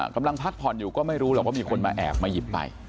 กำลังพักผ่อนอยู่ก็ไม่รู้หรอกว่ามีคนมาแอบมาหยิบไป